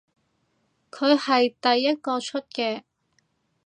佢係第一個出嘅